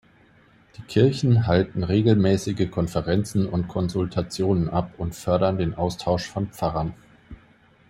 Die Kirchen halten regelmäßige Konferenzen und Konsultationen ab und fördern den Austausch von Pfarrern.